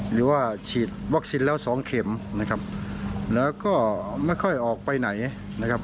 หรือว่าฉีดวัคซีนแล้วสองเข็มนะครับแล้วก็ไม่ค่อยออกไปไหนนะครับ